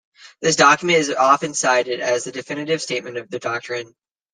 This document is often cited as the definitive statement of the doctrine.